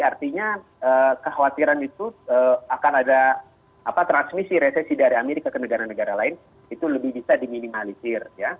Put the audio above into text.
artinya kekhawatiran itu akan ada transmisi resesi dari amerika ke negara negara lain itu lebih bisa diminimalisir